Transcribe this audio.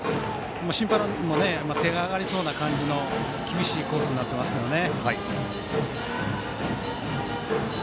審判の手が上がりそうな厳しいコースになってますからね。